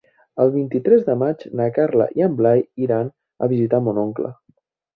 El vint-i-tres de maig na Carla i en Blai iran a visitar mon oncle.